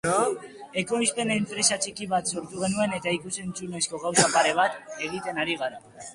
Ekoizpen-enpresa txiki bat sortu genuen eta ikus-entzunezko gauza pare bat egiten ari gara.